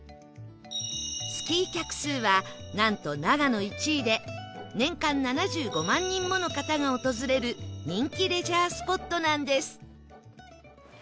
スキー客数はなんと長野１位で年間７５万人もの方が訪れる人気レジャースポットなんです